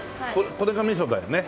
これがミソだよね。